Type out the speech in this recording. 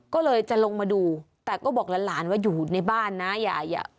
ก็เลยจะลงมาดูแต่ก็บอกหลานว่าอยู่ในบ้านนะยายอ่ะ